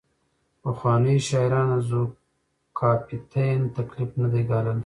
پخوانیو شاعرانو د ذوقافیتین تکلیف نه دی ګاللی.